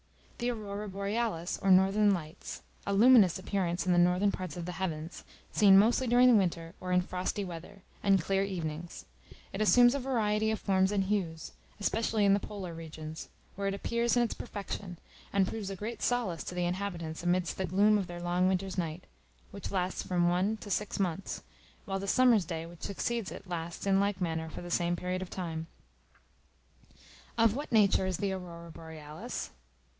The Aurora Borealis, or Northern Lights, a luminous appearance in the northern parts of the heavens, seen mostly during winter, or in frosty weather, and clear evenings; it assumes a variety of forms and hues, especially in the polar regions, where it appears in its perfection, and proves a great solace to the inhabitants amidst the gloom of their long winter's night, which lasts from one to six months, while the summer's day which succeeds it lasts in like manner for the same period of time. Of what nature is the Aurora Borealis?